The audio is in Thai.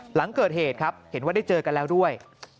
หลังเกิดเหตุครับเห็นว่าได้เจอกันแล้วด้วย